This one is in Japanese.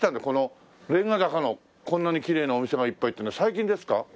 このレンガ坂のこんなにきれいなお店がいっぱいっていうのは最近ですか？